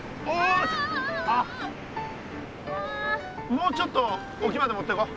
もうちょっとおきまで持ってこう。